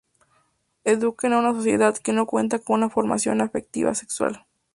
eduquen a una sociedad que no cuenta con una formación afectivo-sexual